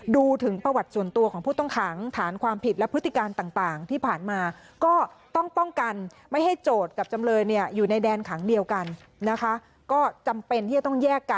ดูถึงประวัติส่วนตัวของผู้ต้องขังฐานความผิดและพฤติการต่างที่ผ่านมาก็ต้องป้องกันไม่ให้โจทย์กับจำเลยเนี่ยอยู่ในแดนขังเดียวกันนะคะก็จำเป็นที่จะต้องแยกกัน